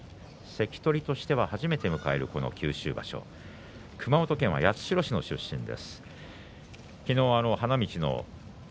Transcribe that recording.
関取としては初めて迎える九州場所熊本は八代市の出身です。